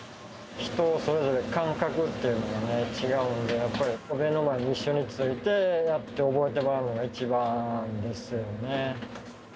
人それぞれ感覚ってのがね、違うんで、やっぱり目の前で一緒について、やって覚えてもらうのが一番ですよね。